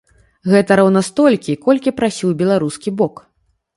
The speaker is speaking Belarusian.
Гэта роўна столькі, колькі прасіў беларускі бок.